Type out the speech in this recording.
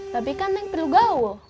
tapi kan nek perlu gau